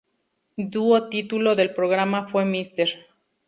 Dúo título del programa fue Mr.